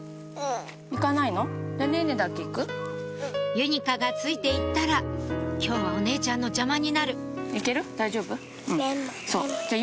ゆにかがついて行ったら今日はお姉ちゃんの邪魔になるそうじゃあ。